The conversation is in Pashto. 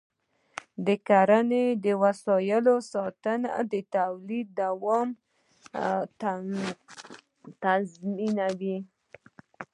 د کرنې د وسایلو ساتنه د تولید دوام تضمینوي.